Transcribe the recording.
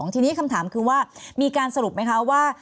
ทีนี้คำถามคือว่ามีการสรุปไหมคะว่า